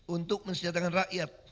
untuk mensejahat dengan rakyat